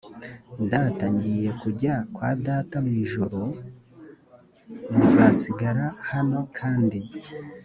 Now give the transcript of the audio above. data ngiye kujya kwa data mu ijuru muzasigara hano kandi